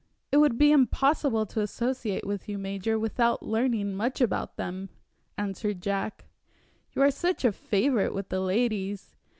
"It would be impossible to associate with you, major, without learning much about them," answered Jack, "you are such a favorite with the ladies.